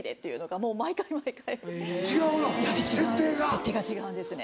設定が違うんですね。